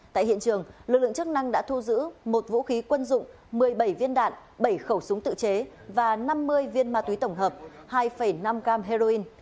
tại hiện trường lực lượng chức năng đã thu giữ một vũ khí quân dụng một mươi bảy viên đạn bảy khẩu súng tự chế và năm mươi viên ma túy tổng hợp hai năm gram heroin